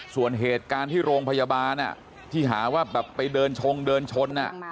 ส่วนเหตุการณ์ที่โรงพยาบาลที่หาว่าแบบไปเดินชงเดินชน